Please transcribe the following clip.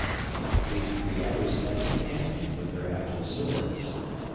These three others fenced against him with their agile swords.